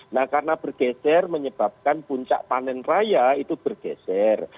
nah karena bergeser menyebabkan puncak panen raya itu bergeser